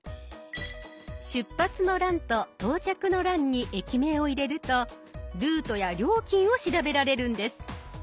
出発の欄と到着の欄に駅名を入れるとルートや料金を調べられるんです。